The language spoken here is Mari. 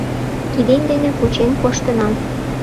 Кидем дене кучен коштынам.